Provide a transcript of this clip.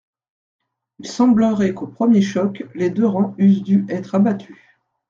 Il semblerait qu'au premier choc les deux rangs eussent dû être abattus.